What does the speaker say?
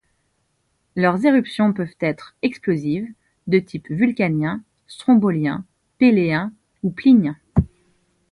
Leurs éruptions peuvent être explosives, de type vulcanien, strombolien, péléen ou plinien.